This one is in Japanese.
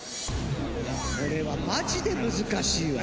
これはマジで難しいわ。